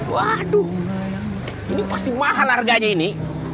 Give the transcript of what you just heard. waduh ini pasti mahal harganya ini